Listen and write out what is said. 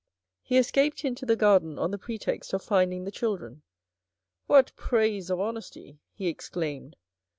He escaped into the garden on the pretext of finding the children. " What praise of honesty," he exclaimed.